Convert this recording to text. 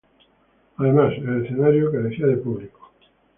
Además, el escenario carecía de público.